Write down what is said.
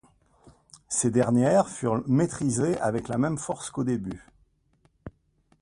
Ces dernières furent maitrisées avec la même force qu’au début.